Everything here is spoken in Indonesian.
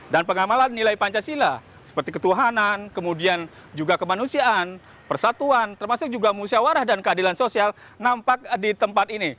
dan pengamalan nilai pancasila seperti ketuhanan kemudian juga kemanusiaan persatuan termasuk juga musyawarah dan keadilan sosial nampak di tempat ini